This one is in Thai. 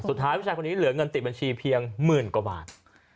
สุดท้ายผู้ชายคนนี้เหลือเงินติดบัญชีเพียงหมื่นกว่าบาท